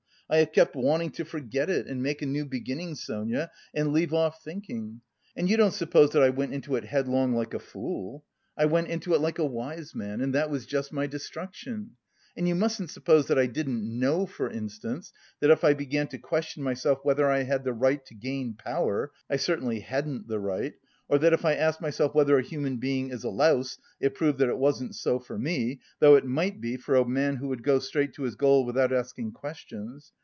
I have kept wanting to forget it and make a new beginning, Sonia, and leave off thinking. And you don't suppose that I went into it headlong like a fool? I went into it like a wise man, and that was just my destruction. And you mustn't suppose that I didn't know, for instance, that if I began to question myself whether I had the right to gain power I certainly hadn't the right or that if I asked myself whether a human being is a louse it proved that it wasn't so for me, though it might be for a man who would go straight to his goal without asking questions....